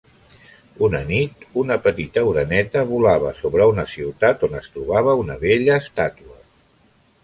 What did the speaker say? Una nit una petita oreneta volava sobre una ciutat on es trobava una bella estàtua.